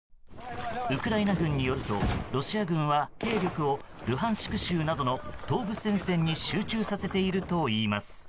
ウクライナ軍によるとロシア軍は兵力をルハンシク州などの東部戦線に集中させているといいます。